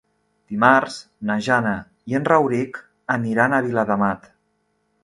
Dimarts na Jana i en Rauric aniran a Viladamat.